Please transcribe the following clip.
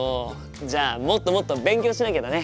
じゃあもっともっと勉強しなきゃだね。